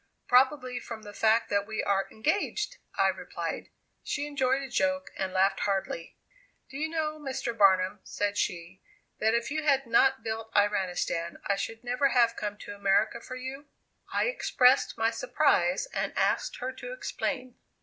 "Probably from the fact that we are 'engaged,'" I replied. She enjoyed a joke, and laughed heartily. "Do you know, Mr. Barnum," said she, "that if you had not built Iranistan, I should never have come to America for you?" I expressed my surprise, and asked her to explain.